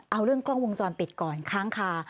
เอาเรื่องกล้องวงจรปิดก่อนค้างคา